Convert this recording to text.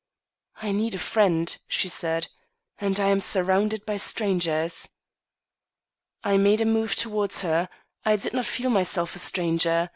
"I need a friend," she said, "and I am surrounded by strangers." I made a move towards her; I did not feel myself a stranger.